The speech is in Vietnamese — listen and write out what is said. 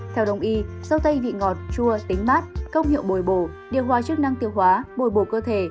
theo đồng ý rau tây vị ngọt chua tính mát công hiệu bồi bổ điều hóa chức năng tiêu hóa bồi bổ cơ thể